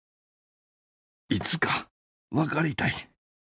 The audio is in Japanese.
いつか分かりたい。